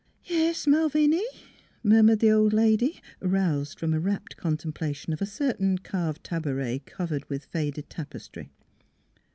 Yes, Malviny," murmured the old lady, roused from a rapt contemplation of a certain carved tabouret covered with faded tapestry.